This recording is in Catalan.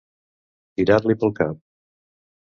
Tirar-li pel cap.